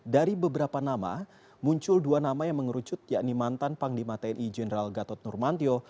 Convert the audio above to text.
dari beberapa nama muncul dua nama yang mengerucut yakni mantan panglima tni jenderal gatot nurmantio